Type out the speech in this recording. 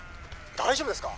大丈夫ですか？